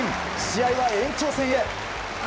試合は延長戦へ。